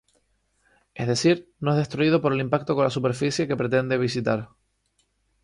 Es decir, no es destruido por el impacto con la superficie que pretende visitar.